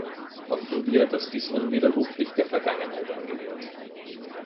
Hoffen wir, dass dies unwiderruflich der Vergangenheit angehört.